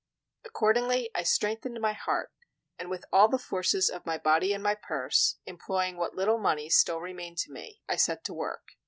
Accordingly I strengthened my heart, and with all the forces of my body and my purse, employing what little money still remained to me, I set to work.